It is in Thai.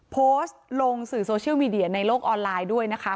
โพสต์ลงสื่อโซเชียลมีเดียในโลกออนไลน์ด้วยนะคะ